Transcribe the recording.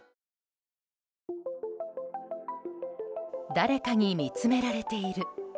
誰かに見つめられている。